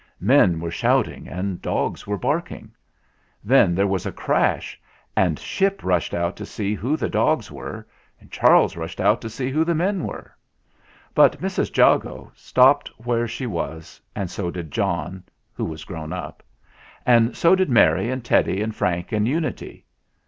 Men were shout ing and dogs were barking. Then there was a crash, and Ship rushed out to see who the dogs were, and Charles rushed out to see who the men were. But Mrs. Jago stopped where she was, and so did John, who was grown up, and so did Mary and Teddy and Frank and Unity.